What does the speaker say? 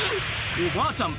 おばあちゃん